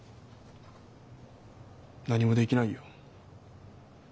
何もできないよ。